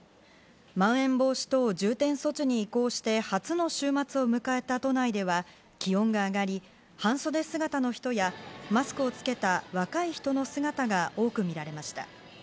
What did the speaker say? まん延防止等重点措置に移行して、初の週末を迎えた都内では気温が上がり、半袖姿の人やマスクをつけた若い人の姿が多く見られました。